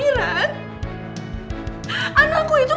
pak bos bu